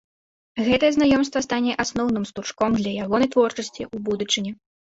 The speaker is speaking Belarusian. Гэтае знаёмства стане асноўным штуршком для ягонай творчасці ў будучыні.